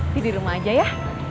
jadi di rumah aja ya